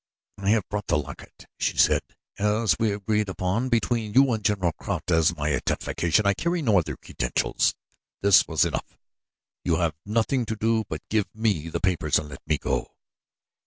"I have brought the locket," she said, "as was agreed upon between you and General Kraut, as my identification. I carry no other credentials. This was to be enough. You have nothing to do but give me the papers and let me go."